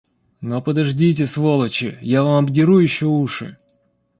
Но подождите, сволочи, я вам обдеру еще уши!